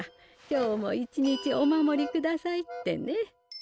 今日も一日お守りくださいってね。